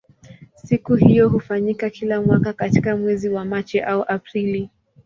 Siku hiyo hufanyika kila mwaka katika mwezi wa Machi au Aprili.